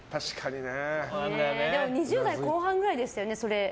でも２０代後半でしたよね。